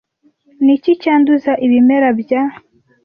Niki cyanduza ibimera bya